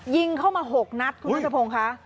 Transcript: ยิงเข้ามาหกนัดคุณมันสะพงค่ะ